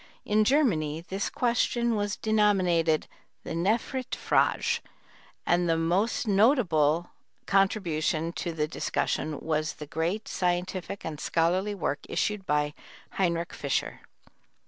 In Germany this question was denominated the Nephritfrage, and the most notable contribution to the discussion was the great scientific and scholarly work issued by Heinrich Fischer.